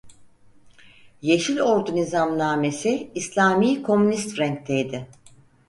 Yeşil Ordu Nizamnamesi İslami-Komünist renkteydi.